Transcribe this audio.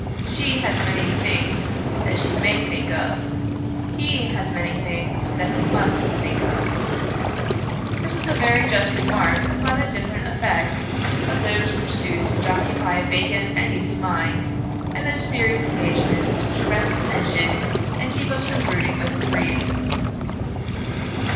She has many things that she may think of. He has many things that he must think of.' This was a very just remark upon the different effect of those light pursuits which occupy a vacant and easy mind, and those serious engagements which arrest attention, and keep us from brooding over grief.